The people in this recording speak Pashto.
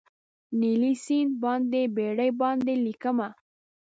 نیلي سیند باندې بیړۍ باندې لیکمه